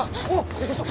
びっくりした！